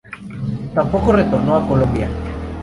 Tampoco retornó a Colombia.